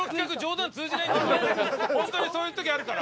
本当にそういう時あるから。